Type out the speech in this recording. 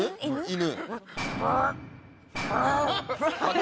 犬。